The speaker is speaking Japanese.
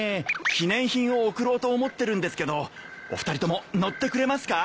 記念品を贈ろうと思ってるんですけどお二人とも乗ってくれますか？